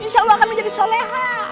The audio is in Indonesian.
insya allah akan menjadi soleha